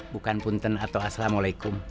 bukan punten atau assalamualaikum